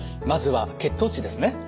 まずは血糖値ですね。